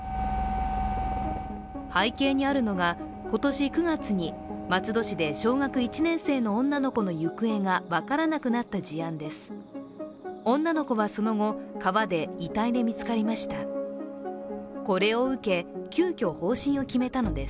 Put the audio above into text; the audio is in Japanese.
背景にあるのが、今年９月に松戸市で小学１年生の女の子の行方が分からなくなった事案です。